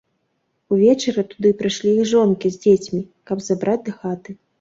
Увечары туды прыйшлі іх жонкі з дзецьмі, каб забраць дахаты.